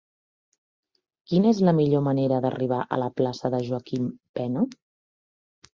Quina és la millor manera d'arribar a la plaça de Joaquim Pena?